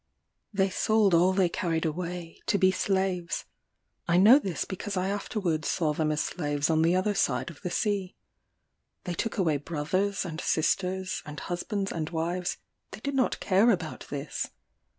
They sold all they carried away, to be slaves. I know this because I afterwards saw them as slaves on the other side of the sea. They took away brothers, and sisters, and husbands, and wives; they did not care about this.